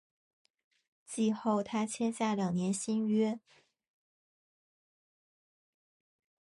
季后他签下两年新约。